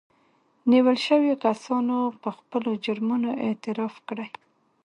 نيول شويو کسانو په خپلو جرمونو اعتراف کړی